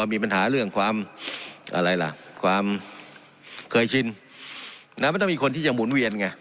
มีปัญหาเรื่องความอะไรล่ะความเคยชินมันต้องมีคนที่จะหมุนเวียนไง